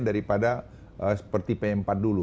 daripada seperti pempat dulu